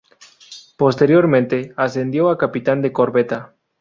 Posteriormente ascendió a capitán de corbeta.